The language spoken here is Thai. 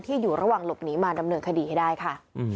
อยู่ระหว่างหลบหนีมาดำเนินคดีให้ได้ค่ะ